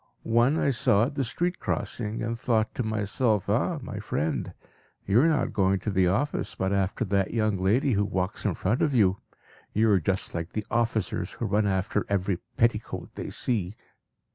One I saw at the street crossing, and thought to myself, "Ah! my friend, you are not going to the office, but after that young lady who walks in front of you. You are just like the officers who run after every petticoat they see."